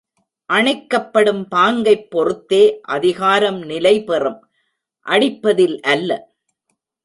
அணைக்கப்படும் பாங்கைப் பொறுத்தே அதிகாரம் நிலைபெறும் அடிப்பதில் அல்ல.